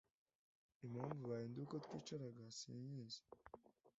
impamvu bahinduye uko twicaraga sinyizi